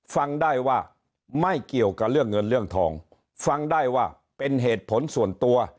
ฟังได้ว่าไม่เกี่ยวกับเรื่องเงินเรื่องทองฟังได้ว่าเป็นเหตุผลส่วนตัว